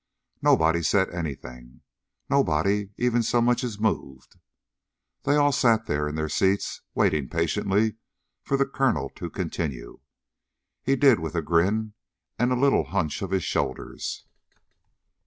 Nobody said anything. Nobody even so much as moved. They all just sat there in their seats waiting patiently for the colonel to continue. He did, with a grin and a little hunch of his shoulders.